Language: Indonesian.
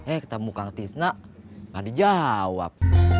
eh ketemu kang tisna gak dijawab